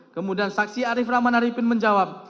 kemudian saksi arief rahman arifin menjawab